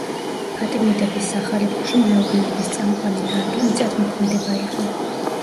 ფატიმიდების სახალიფოში მეურნეობის წამყვანი დარგი მიწათმოქმედება იყო.